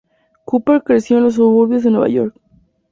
Cooper creció en los suburbios de Nueva York.